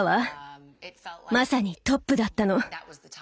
まさにトップだったの。